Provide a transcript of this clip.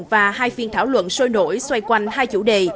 và hai phiên thảo luận sôi nổi xoay quanh hai chủ đề